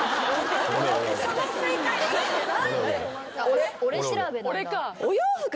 俺？